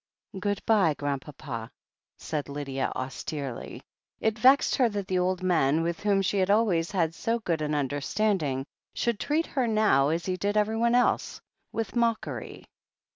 "Good bye, Grandpapa," said Lydia austerely. It vexed her that the old man, with whom she had always had so good an understanding, should treat her now, as he did everyone else, with mockery.